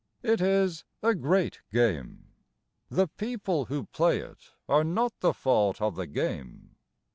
It is a great game: The people who play it are not the fault of the game.